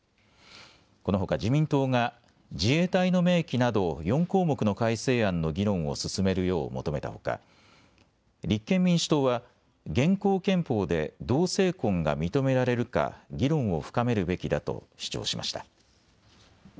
このほか自民党が自衛隊の明記など４項目の改正案の議論を進めるよう求めたほか立憲民主党は現行憲法で同性婚が認められるか議論を深めるべきだと主張しました。